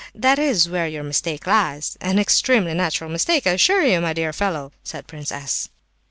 That is where your mistake lies—an extremely natural mistake, I assure you, my dear fellow!" said Prince S.